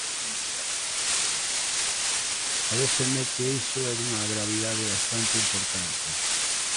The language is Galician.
Paréceme que iso é dunha gravidade bastante importante.